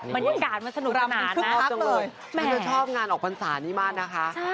วันยังการมันสนุกกันมากไมั๊ไม่ชอบงานออกปัญสานี้มากนะคะ